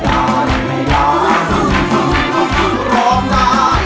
อาราตรวงงาม